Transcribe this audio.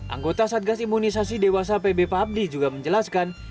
anggota satgas imunisasi dewasa pb pabdi juga menjelaskan